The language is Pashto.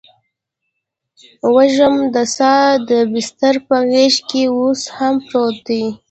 وږم د ساه دی دبسترپه غیږکې اوس هم پروت دي